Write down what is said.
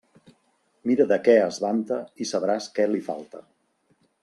Mira de què es vanta i sabràs què li falta.